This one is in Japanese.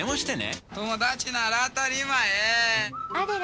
「友達なら当たり前」